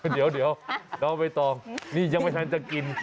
เดี๋ยวน้องใบตองนี่ยังไม่ทันจะกิน